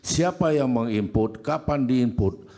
siapa yang meng input kapan di input